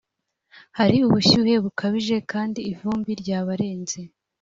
hari ubushyuhe bukabije kandi ivumbi ryabarenze.